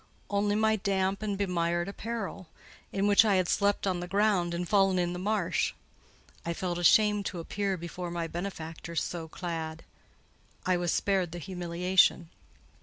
Only my damp and bemired apparel; in which I had slept on the ground and fallen in the marsh. I felt ashamed to appear before my benefactors so clad. I was spared the humiliation.